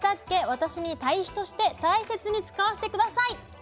私にたい肥として大切に使わせて下さい！」。